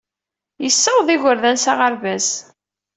Yessaweḍ igerdan s aɣerbaz.